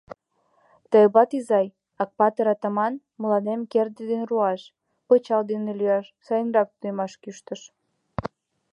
Тойблат изай, Акпатыр-атаман мыланем керде ден руаш, пычал дене лӱяш сайынрак тунемаш кӱштыш.